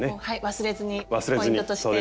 忘れずにポイントとして。